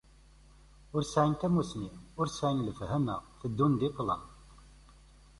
Ur sɛin tamussni, ur sɛin lefhama, tteddun di ṭṭlam.